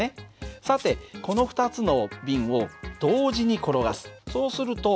さてこの２つの瓶を同時に転がす。